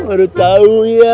baru tahu ya